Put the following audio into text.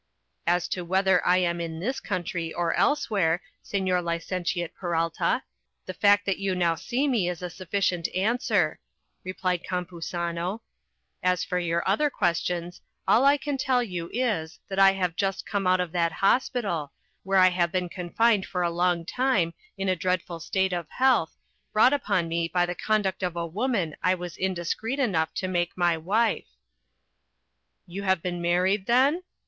"As to whether I am in this country or elsewhere, Sigñor Licentiate Peralta, the fact that you now see me is a sufficient answer," replied Campuzano; "as for your other questions, all I can tell you is, that I have just come out of that hospital, where I have been confined for a long time in a dreadful state of health, brought upon me by the conduct of a woman I was indiscreet enough to make my wife." "You have been married, then?"